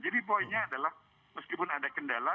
jadi poinnya adalah meskipun ada kendala